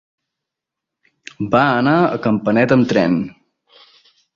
Va anar a Campanet amb tren.